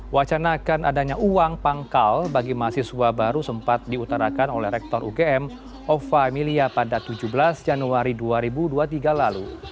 wacana akan adanya uang pangkal bagi mahasiswa baru sempat diutarakan oleh rektor ugm ova emilia pada tujuh belas januari dua ribu dua puluh tiga lalu